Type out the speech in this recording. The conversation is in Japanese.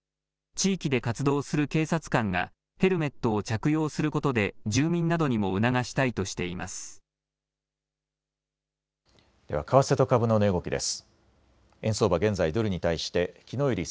地域で活動する警察官がヘルメットを着用することで住民などにも促したいとしています。